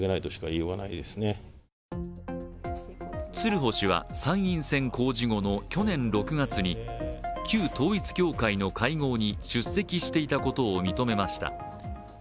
鶴保氏は参院選公示後の去年６月に旧統一教会の会合に出席していたことを認めました。